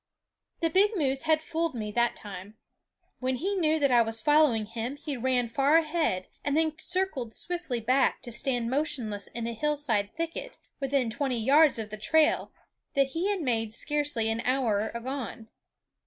The big moose had fooled me that time. When he knew that I was following him he ran far ahead, and then circled swiftly back to stand motionless in a hillside thicket within twenty yards of the trail that he had made scarcely an hour agone.